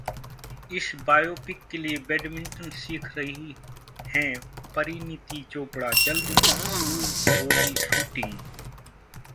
इस बायोपिक के लिए बैडमिंटन सीख रही हैं परिणीति चोपड़ा, जल्द शुरू होगी शूटिंग